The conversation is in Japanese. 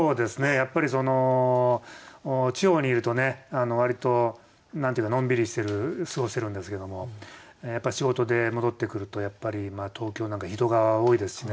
やっぱりその地方にいるとね割と何ていうかのんびりしてる過ごしてるんですけどもやっぱ仕事で戻ってくると東京なんか人が多いですしね。